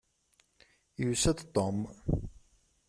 Yusa-d Tom.